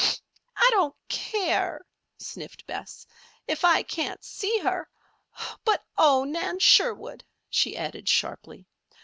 "I don't care," sniffed Bess. "If I can't see her. But oh, Nan Sherwood!" she added sharply.